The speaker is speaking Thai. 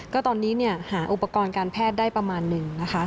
ก็ตอนนี้หาอุปกรณ์การแพทย์ได้ประมาณหนึ่งนะคะ